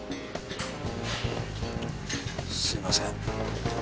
すいません。